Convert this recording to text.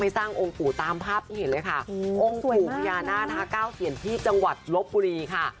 แหงองค์ปูพญานาศ๙เสียรที่จังหวัดรบปุรีค่ะ